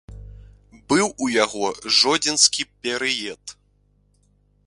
Быў у яго жодзінскі перыяд.